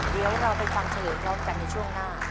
เดี๋ยวเราไปฟังเฉลยพร้อมกันในช่วงหน้า